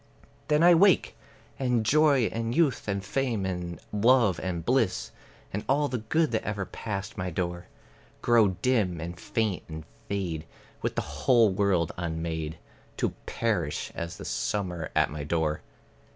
Then I wake; and joy and youth and fame and love and bliss, And all the good that ever passed my door, Grow dim, and faint and fade, with the whole world unmade, To perish as the summer at my door.